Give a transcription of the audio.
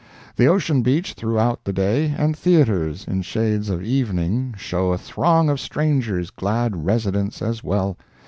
The ocean beach throughout the day, And theatres, in shades of evening, show A throng of strangers glad residents as well.